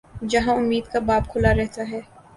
جہاں امید کا باب کھلا رہتا ہے۔